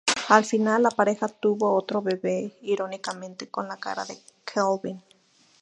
Al final, la pareja tuvo otro bebe, irónicamente, con la cara de Calvin.